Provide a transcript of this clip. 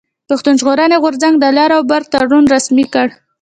پښتون ژغورني غورځنګ د لر او بر تړون رسمي کړ.